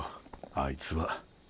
あいつは。